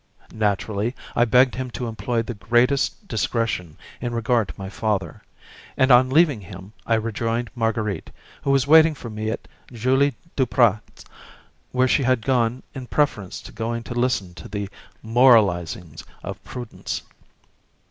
Naturally, I begged him to employ the greatest discretion in regard to my father, and on leaving him I rejoined Marguerite, who was waiting for me at Julie Duprat's, where she had gone in preference to going to listen to the moralizings of Prudence.